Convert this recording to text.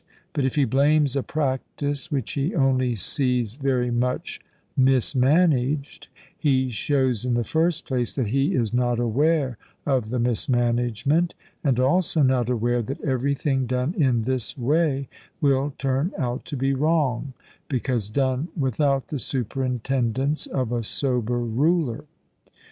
But if he blames a practice which he only sees very much mismanaged, he shows in the first place that he is not aware of the mismanagement, and also not aware that everything done in this way will turn out to be wrong, because done without the superintendence of a sober ruler.